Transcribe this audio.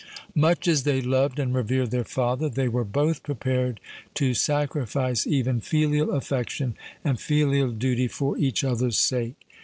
Much as they loved and revered their father, they were both prepared to sacrifice even filial affection and filial duty for each other's sake.